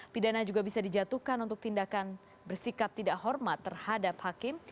pidana juga bisa dijatuhkan untuk tindakan bersikap tidak hormat terhadap hakim